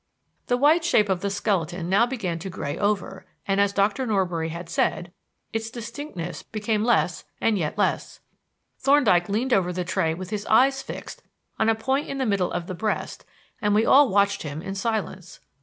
The white shape of the skeleton now began to gray over and, as Dr. Norbury had said, its distinctness became less and yet less. Thorndyke leaned over the tray with his eyes fixed on a point in the middle of the breast and we all watched him in silence.